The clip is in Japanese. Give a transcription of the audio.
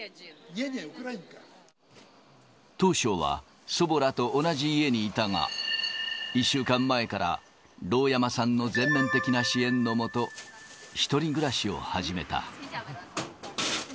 当初は祖母らと同じ家にいたが、１週間前から盧山さんの全面的な支援の下、１人暮らしを始めた。